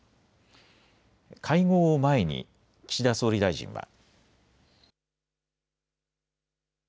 会合を前に岸田総理大臣は。